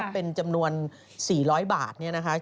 เป็นจำนวน๔๐๐บาท